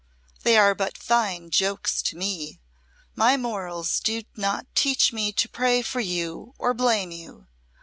They are but fine jokes to me. My morals do not teach me to pray for you or blame you.